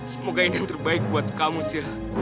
semoga ini yang terbaik buat kamu sih